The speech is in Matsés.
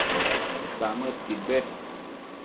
samëdquid bed